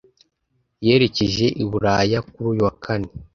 Yerekeje iburaya kuri uyu wa kane